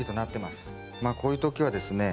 まあこういう時はですね